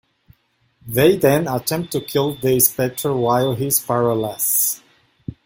They then attempt to kill the Spectre while he is powerless.